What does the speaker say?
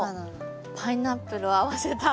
パイナップルを合わせた。